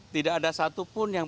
tidak ada satupun yang